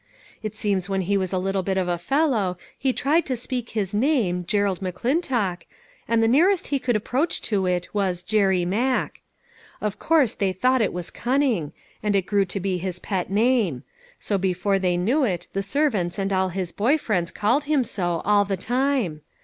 It seems when he was a little bit of a fellow he tried to speak his name, Gerald McClintock, and the nearest he could approach to it, was, Jerry Mack. Of course they thought that was cun ning, and it grew to be his pet name ; so before they knew it, the servants and nil his boy friends called him so, all the time.